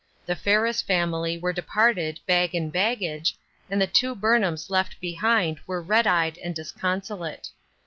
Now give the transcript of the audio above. The Ferris family were departed bag and baggage, and the two Burnhams left behind were red eyed and disconsolate.